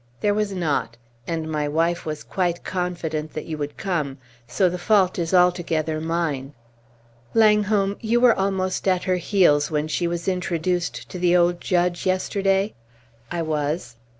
"There was not; and my wife was quite confident that you would come; so the fault is altogether mine. Langholm, you were almost at her heels when she was introduced to the old judge yesterday?" "I was."